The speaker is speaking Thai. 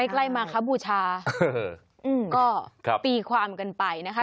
ใกล้มาครับบูชาก็ตีความกันไปนะคะ